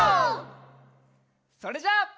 それじゃあ。